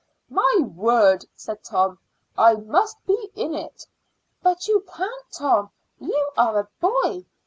"My word," said Tom, "I must be in it!" "But you can't, Tom. You are a boy.